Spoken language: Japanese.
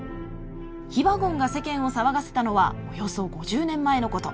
ヒバゴンが世間を騒がせたのはおよそ５０年前のこと。